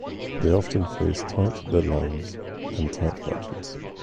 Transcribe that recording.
They often face tight deadlines and tight budgets.